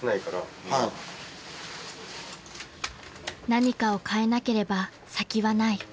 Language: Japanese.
［何かを変えなければ先はない］